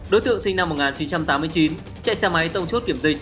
đối tượng sinh năm một nghìn chín trăm tám mươi chín chạy xe máy tông chốt kiểm dịch